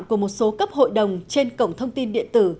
của một số cấp hội đồng trên cổng thông tin điện tử